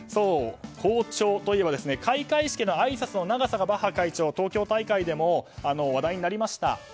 校長といえば開会式のあいさつの長さがバッハ会長、東京大会でも話題になりました。